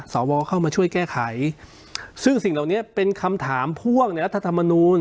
สวเข้ามาช่วยแก้ไขซึ่งสิ่งเหล่านี้เป็นคำถามพ่วงในรัฐธรรมนูล